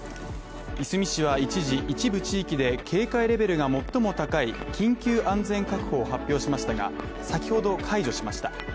いすみ市は一時、一部地域で警戒レベルが最も高い緊急安全確保を発表しましたが、先ほど解除しました。